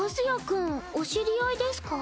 君お知り合いですか？